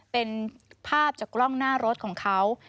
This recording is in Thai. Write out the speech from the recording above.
เป็นภาพจากกล้องหน้ารถของเขา